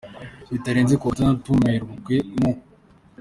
bitarenze ku wa Werurwe mu.